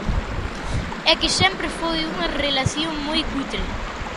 É que sempre foi unha relación moi cutre.